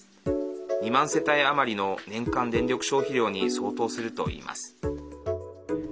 ２万世帯余りの年間電力消費量に相当するといいます。